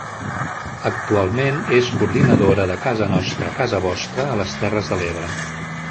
Actualment és coordinadora de Casa Nostra Casa Vostra a les Terres de l'Ebre.